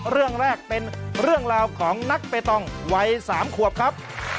เรื่องแรกเป็นเรื่องราวของนักเปตองวัย๓ขวบครับ